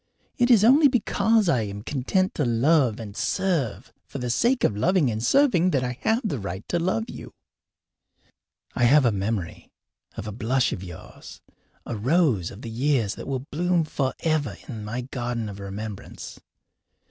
It is only because I am content to love and serve for the sake of loving and serving that I have the right to love you. I have a memory of a blush of yours a rose of the years that will bloom forever in my garden of remembrance.